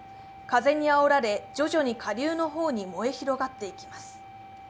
風にあおられ徐々に下流の方に燃え広がっていきます。